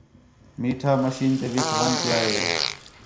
میٹھا مشین تے وِچ ون٘ڄ پِیا ہے